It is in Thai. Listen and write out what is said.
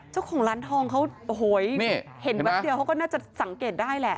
เจ้าของร้านทองเขาโอ้โหเห็นแวบเดียวเขาก็น่าจะสังเกตได้แหละ